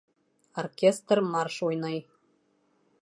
Оркестр марш уйнай.